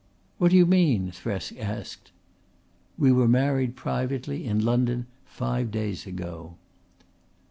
"What do you mean?" Thresk asked. "We were married privately in London five days ago."